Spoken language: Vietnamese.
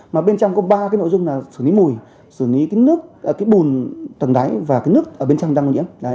mà bên trong có ba cái nội dung là xử lý mùi xử lý cái nước cái bùn tầng đáy và cái nước ở bên trong đang ô nhiễm